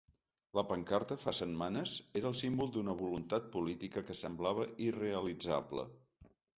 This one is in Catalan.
La pancarta, fa setmanes, era el símbol d’una voluntat política que semblava irrealitzable.